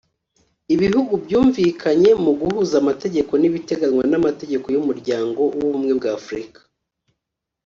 'Ibihugu byumvikanye ku guhuza amategeko n'ibiteganywa n'amategeko y'umuryango w'ubumwe bw'Afurika